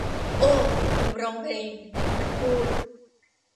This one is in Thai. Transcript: โอ้ คุณร้องเพลง มันพูด